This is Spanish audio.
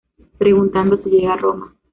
Preguntando se llega a Roma